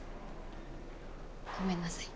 ごめんなさい。